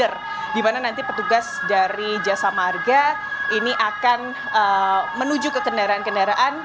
mengerahkan mobile reader dimana nanti petugas dari jasa marga ini akan menuju ke kendaraan kendaraan